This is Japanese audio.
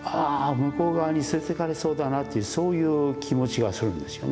向こう側に連れていかれそうだなというそういう気持ちがするんですよね